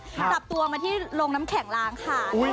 จับตัวมาที่โรงน้ำแข็งล้างค่ะ